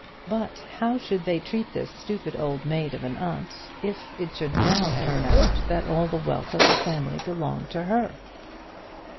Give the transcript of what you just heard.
But how should they treat this stupid old maid of an aunt, if it should now turn out that all the wealth of the family belonged to her?